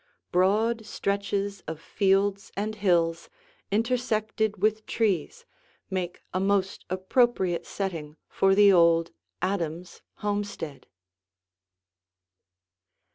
Broad stretches of fields and hills intersected with trees make a most appropriate setting for the old Adams homestead.